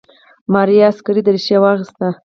ماريا عسکري دريشي واخيسته.